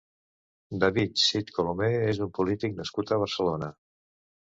David Cid Colomer és un polític nascut a Barcelona.